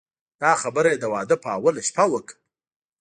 دا خبره یې د واده په اوله شپه وکړه.